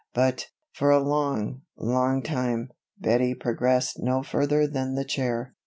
But, for a long, long time, Bettie progressed no further than the chair.